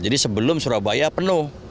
jadi sebelum surabaya penuh